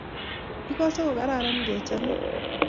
Igose kokararan ngechamin